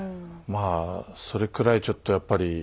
まあそれくらいちょっとやっぱり。